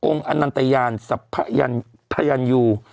องค์อันตญาณสัพพยันยู